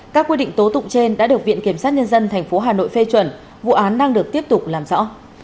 các quy định tố tục trên đã được viện kiểm sát nhân dân thành phố hà nội phê chuẩn vụ án đang được tiếp tục làm rõ